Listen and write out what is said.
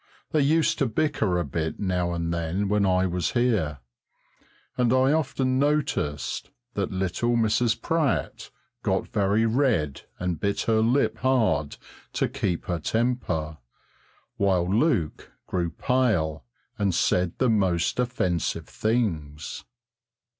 They used to bicker a bit now and then when I was here, and I often noticed that little Mrs. Pratt got very red and bit her lip hard to keep her temper, while Luke grew pale and said the most offensive things.